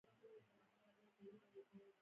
ګلداد ور غږ کړل: مزری مزری مه کېږه.